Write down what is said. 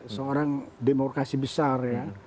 seorang demokrasi besar ya